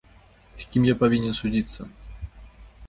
З кім я павінен судзіцца?